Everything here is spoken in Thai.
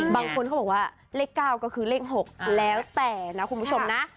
บางคนเขาบอกว่าเลข๙ก็คือเลข๖แล้วแต่นะคุณผู้ชมนะ